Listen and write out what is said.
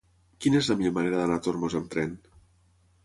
Quina és la millor manera d'anar a Tormos amb tren?